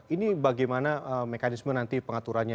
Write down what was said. ini bagaimana mekanisme nanti pengaturannya